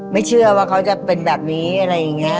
ไม่เชื่อว่าเขาจะเป็นแบบนี้อะไรอย่างนี้